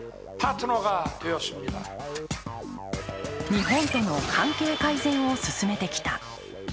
日本との関係改善を進めてきた。